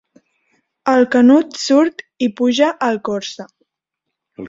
El Canut surt i puja al Corsa.